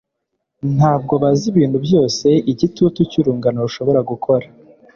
ntabwo bazi ibintu byose igitutu cyurungano rushobora gukora